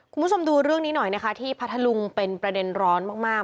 คุณผู้ชมดูเรื่องนี้หน่อยนะคะที่พัทธลุงเป็นประเด็นร้อนมาก